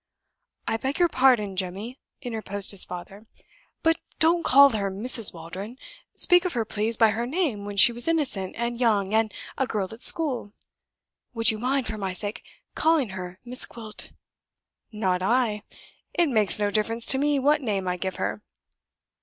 "I beg your pardon, Jemmy," interposed his father. "But don't call her Mrs. Waldron. Speak of her, please, by her name when she was innocent, and young, and a girl at school. Would you mind, for my sake, calling her Miss Gwilt?" "Not I! It makes no difference to me what name I give her.